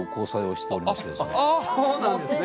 そうなんですね。